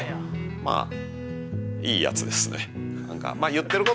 まあいいやつですね。